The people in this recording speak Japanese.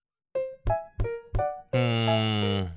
うん。